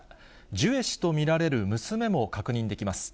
ジュエ氏と見られる娘も確認できます。